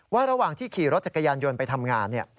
ระหว่างที่ขี่รถจักรยานยนต์ไปทำงาน